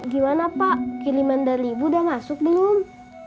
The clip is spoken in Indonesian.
gimana pak kiriman dari ibu udah masuk belum